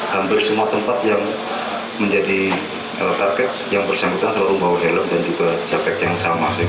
hampir semua tempat yang menjadi target yang bersangkutan selalu membawa helm dan juga jaket yang sama